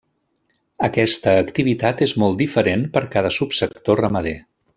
Aquesta activitat és molt diferent per a cada subsector ramader.